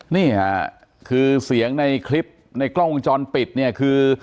นี่ค่ะคือเสียงในคลิปในกล้องวงจรปิดเนี่ยคือ